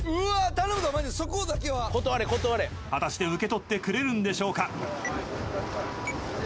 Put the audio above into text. ［果たして受け取ってくれるんでしょうか］